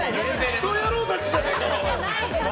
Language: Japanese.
クソ野郎たちじゃねえか！